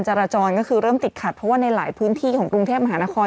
จราจรก็คือเริ่มติดขัดเพราะว่าในหลายพื้นที่ของกรุงเทพมหานคร